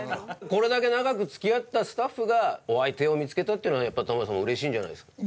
これだけ長く付き合ったスタッフがお相手を見つけたっていうのはやっぱりタモリさん嬉しいんじゃないですか？